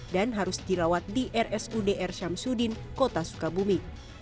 dan harus dirawat di rsudr syamsudin kota sukabumi